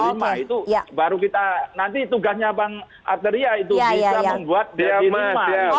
itu baru kita nanti tugasnya bang arteria itu bisa membuat lebih lima